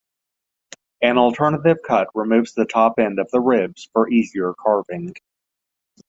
An alternative cut removes the top end of the ribs for easier carving.